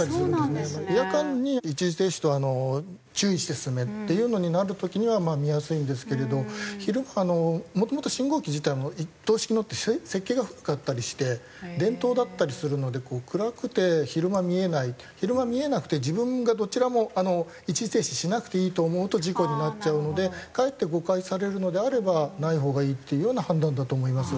夜間に「一時停止」と「注意して進め」っていうのになる時には見やすいんですけれど昼はもともと信号機自体も一灯式のって設計が古かったりして電灯だったりするので暗くて昼間見えない昼間見えなくて自分がどちらも一時停止しなくていいと思うと事故になっちゃうのでかえって誤解されるのであればないほうがいいっていうような判断だと思います。